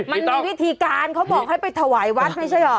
มันมีวิธีการเขาบอกให้ไปถวายวัดไม่ใช่เหรอ